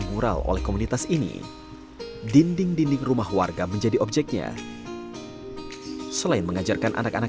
mural oleh komunitas ini dinding dinding rumah warga menjadi objeknya selain mengajarkan anak anak